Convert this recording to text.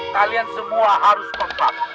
kalian semua harus kompak